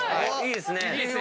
いいっすね。